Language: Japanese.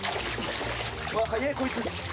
速いこいつ！